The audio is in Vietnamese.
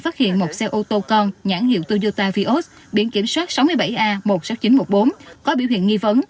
phát hiện một xe ô tô con nhãn hiệu toyota vios biển kiểm soát sáu mươi bảy a một mươi sáu nghìn chín trăm một mươi bốn có biểu hiện nghi vấn